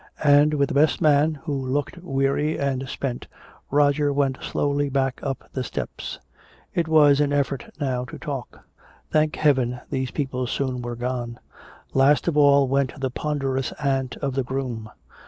And with the best man, who looked weary and spent, Roger went slowly back up the steps. It was an effort now to talk. Thank Heaven these people soon were gone. Last of all went the ponderous aunt of the groom.